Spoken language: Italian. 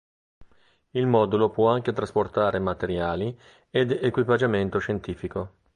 Il modulo può anche trasportare materiali ed equipaggiamento scientifico.